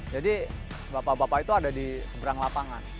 jadi bapak bapak itu ada di seberang lapangan